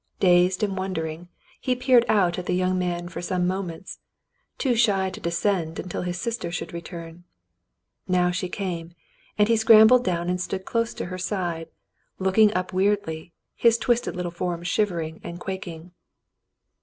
Dazed and wondering, he peered out at the young man for some moments, too shy to descend until his sister should return. Now she came, and he scrambled down and stood close to her side, looking up weirdly, his twisted little form shivering and quaking.